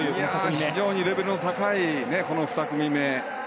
非常にレベルの高いこの２組目。